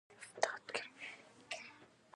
داوطلبانو یو کلب افتتاح کړ.